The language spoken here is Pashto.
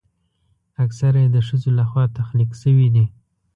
اکثره یې د ښځو لخوا تخلیق شوي دي.